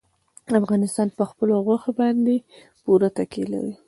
افغانستان په خپلو غوښې باندې پوره تکیه لري.